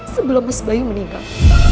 sebelum mas bayu meninggal